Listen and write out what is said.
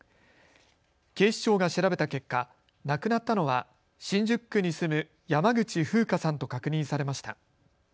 警視庁が調べた結果、亡くなったのは新宿区に住む山口ふうかさんと確認されました。